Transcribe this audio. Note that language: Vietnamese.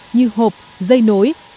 như hộp dây nối